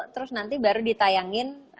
terus nanti baru ditayangin